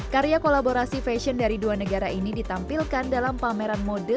karya kolaborasi fashion dari dua negara ini ditampilkan dalam pameran mode